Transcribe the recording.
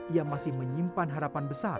ia masih menyimpan harapan besar